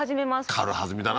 軽はずみだな